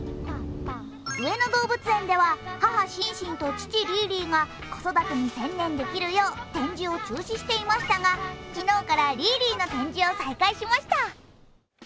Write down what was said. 上野動物園では母、シンシンと父、リーリーが子育てに専念できるよう展示を中止していましたが、昨日からリーリーの展示を再開しました。